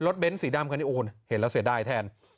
รถเบ้นท์สีด้ำที่โอ้อุ่นเห็นแล้วเสียดายแทน